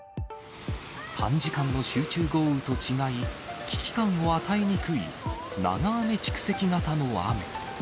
短時間の集中豪雨と違い、危機感を与えにくい、長雨蓄積型の雨。